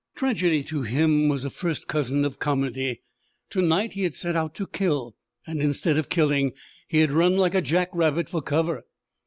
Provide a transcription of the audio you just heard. Tragedy, to him, was a first cousin of comedy; to night he had set out to kill, and, instead of killing, he had run like a jack rabbit for cover.